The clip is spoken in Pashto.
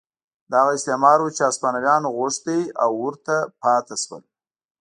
دا هغه استعمار و چې هسپانویانو غوښت او ورته پاتې شول.